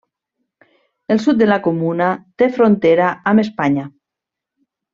El sud de la comuna té frontera amb Espanya.